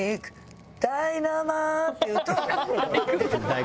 って言うと。